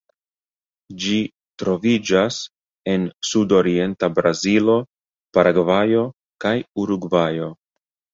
Ĝi troviĝas en sudorienta Brazilo, Paragvajo kaj Urugvajo.